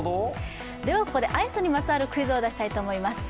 ここでアイスにまつわるクイズを出したいと思います。